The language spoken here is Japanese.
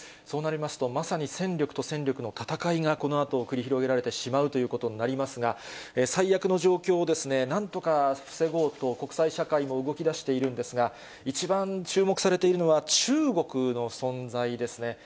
そうなりますと、まさに戦力と戦力の戦いがこのあと、繰り広げられてしまうということになりますが、最悪の状況をなんとか防ごうと、国際社会も動きだしているんですが、一番注目されているのは、中国の存在ですね。